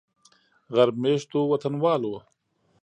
غرب میشتو وطنوالو